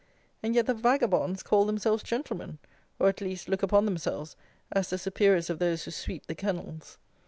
And yet the vagabonds call themselves gentlemen; or, at least, look upon themselves as the superiors of those who sweep the kennels.